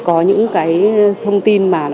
có những cái thông tin mà nó